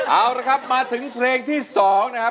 เอาละครับมาถึงเพลงที่๒นะครับ